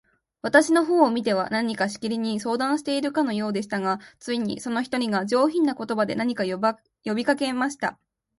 私の方を見ては、何かしきりに相談しているようでしたが、ついに、その一人が、上品な言葉で、何か呼びかけました。